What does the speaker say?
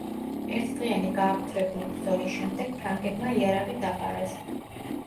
ერთდღიანი გააფთრებული ბრძოლის შემდეგ ფრანგებმა იარაღი დაყარეს.